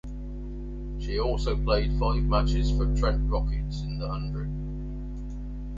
She also played five matches for Trent Rockets in The Hundred.